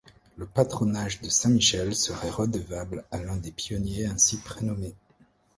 Le patronage de saint Michel serait redevable à l'un des pionniers ainsi prénommé.